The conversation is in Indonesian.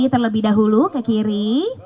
ke kiri terlebih dahulu ke kiri